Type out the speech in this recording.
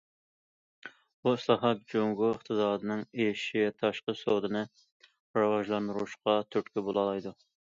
بۇ ئىسلاھات جۇڭگو ئىقتىسادىنىڭ ئېشىشى، تاشقى سودىنى راۋاجلاندۇرۇشقا تۈرتكە بولالايدۇ.